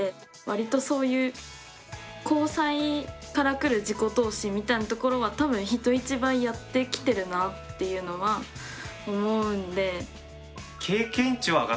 割とそういう交際から来る自己投資みたいなところは多分人一倍やってきてるなっていうのは思うんで。